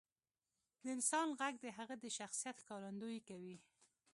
• د انسان ږغ د هغه د شخصیت ښکارندویي کوي.